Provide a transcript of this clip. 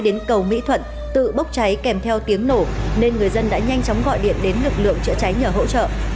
đến cầu mỹ thuận tự bốc cháy kèm theo tiếng nổ nên người dân đã nhanh chóng gọi điện đến lực lượng chữa cháy nhờ hỗ trợ